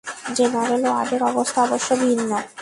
General ওয়ার্ডের অবস্থা অবশ্য ভিন্ন।